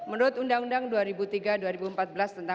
ini semudah berjalan